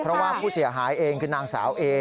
เพราะว่าผู้เสียหายเองคือนางสาวเอ